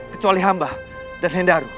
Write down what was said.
kecuali hamba dan hendaru